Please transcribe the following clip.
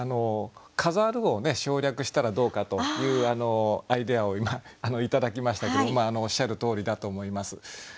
「飾る」を省略したらどうかというアイデアを頂きましたけどおっしゃるとおりだと思います。